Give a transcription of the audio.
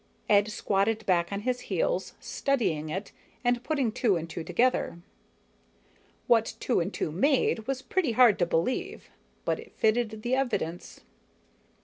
Ed squatted back on his heels, studying it and putting two and two together. What two and two made was pretty hard to believe, but it fitted the evidence.